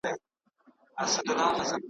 ¬ ول دښمن دي ړوند دئ، ول بينايي ئې کېږي.